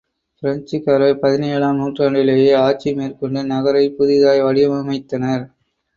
பிரெஞ்சுக்காரர் பதினேழு ஆம் நூற்றாண்டிலேயே ஆட்சி மேற்கொண்டு நகரைப் புதிதாய் வடிவமைத்தனர்.